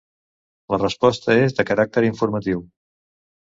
La resposta és de caràcter informatiu.